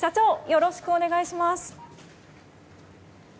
よろしくお願いします。